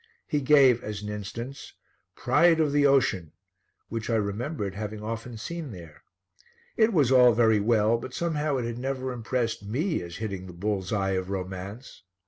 He gave, as an instance, Pride of the Ocean, which I remembered having often seen there; it was all very well, but somehow it had never impressed me as hitting the bull's eye of romance.